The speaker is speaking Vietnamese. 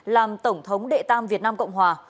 làm tổng thống đệ tam việt nam cộng hòa